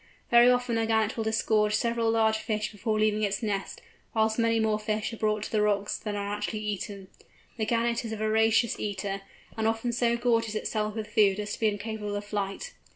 Very often a Gannet will disgorge several large fish before leaving its nest, whilst many more fish are brought to the rocks than are actually eaten. The Gannet is a voracious eater, and often so gorges itself with food as to be incapable of flight.